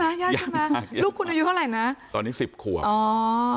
ยากใช่ไหมยากมากยากมากลูกคุณอายุเท่าไหร่นะตอนนี้สิบขวบอ๋อ